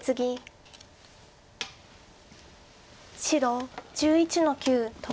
白１１の九トビ。